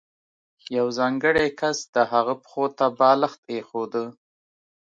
یو ځانګړی کس د هغه پښو ته بالښت ایښوده.